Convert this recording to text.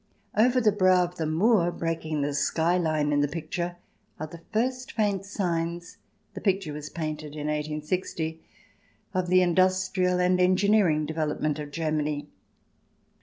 Over the brow of the moor, breaking the skyline in the picture, are the first faint signs — the picture was painted in i860 — of the industrial and engineering development of Germany.